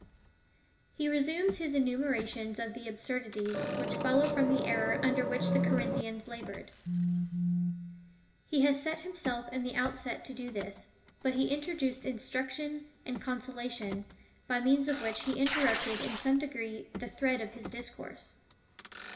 He resumes his enumera tion of the absurdities, which follow from the error under which the Corinthians laboured. He had set himself in the outset to do this, but he introduced instruction and consola tion, by means of which he interrupted in some degree the thread of his discourse.